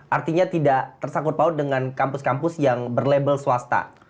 artinya tidak tersangkut paut dengan kampus kampus yang berlabel swasta